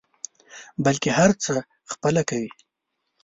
بلکې هر څه خپله کوي.